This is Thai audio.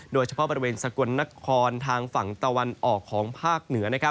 โดยเฉพาะบริเวณสกลนครทางฝั่งตะวันออกของภาคเหนือ